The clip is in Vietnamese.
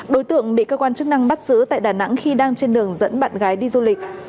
đối tượng bị cơ quan chức năng bắt giữ tại đà nẵng khi đang trên đường dẫn bạn gái đi du lịch